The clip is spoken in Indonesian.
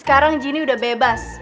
sekarang jin udah bebas